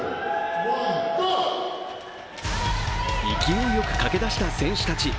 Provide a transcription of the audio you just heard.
勢いよく駆けだした選手たち。